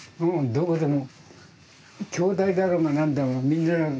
どこでも。